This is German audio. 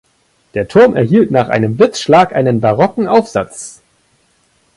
Der Turm erhielt nach einem Blitzschlag einen barocken Aufsatz.